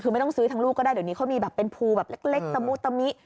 คือไม่ต้องซื้อทั้งลูกก็ได้เดี๋ยวนี้เขามีแบบเป็นภูแบบเล็กตะมุตะมิ